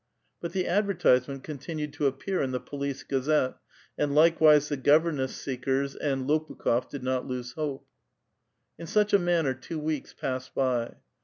But the advertisement continued to appear in the ''Police Gazette," and likewise the governess seekei*s and Lopukh6f did not lose hope. In such a manner two weeks passed by.